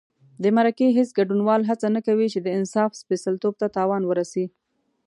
د مرکې هېڅ ګډونوال هڅه نه کوي چې د انصاف سپېڅلتوب ته تاوان ورسي.